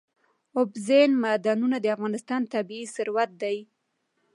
اوبزین معدنونه د افغانستان طبعي ثروت دی.